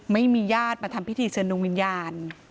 ไม่มีญาติมาทำพิธีเชิญดวงวิญญาณ